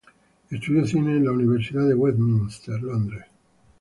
Estudió cine en la Universidad de Westminster, Londres.